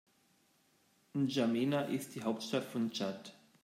N’Djamena ist die Hauptstadt von Tschad.